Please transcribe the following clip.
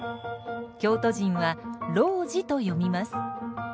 京都人は路地と読みます。